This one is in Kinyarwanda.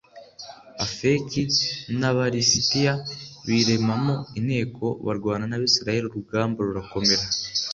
afeki n’ aba lisitiya biremamo inteko barwana n’ abisirayeli urugamba rurakomera